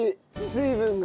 水分が。